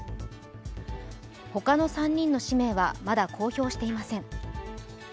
他の３人の氏名はまだ公表していません。